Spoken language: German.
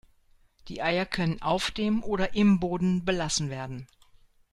Die Eier können auf dem oder im Boden belassen werden.